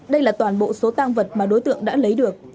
đây là toàn bộ số tăng vật mà đối tượng đã lấy được